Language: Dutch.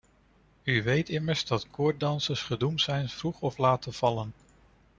U weet immers dat koorddansers gedoemd zijn vroeg of laat te vallen.